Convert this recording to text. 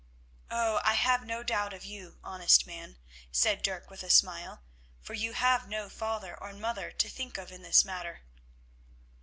"Oh! I have no doubt of you, honest man," said Dirk with a smile, "for you have no mother and father to think of in this matter."